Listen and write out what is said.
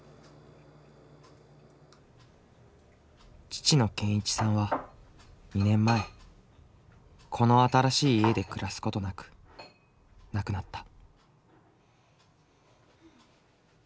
父の健一さんは２年前この新しい家で暮らすことなく亡くなった。